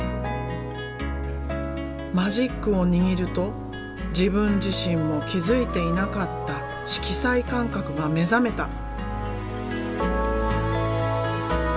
マジックを握ると自分自身も気付いていなかった色彩感覚が目覚めた。